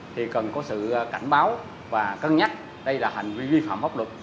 thì cần có sự cảnh báo và cân nhắc đây là hành vi vi phạm pháp luật